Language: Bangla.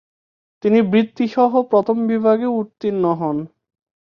তিনি বৃত্তিসহ প্রথম বিভাগে উত্তীর্ণ হন।